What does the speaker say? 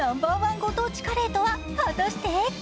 ご当地カレーとは果たして？